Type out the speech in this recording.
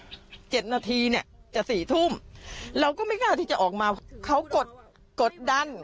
อีกตั้ง๗นาทีเนี่ยจะ๔ทุ่มเราก็ไม่กล้าวที่จะออกมาเขากดน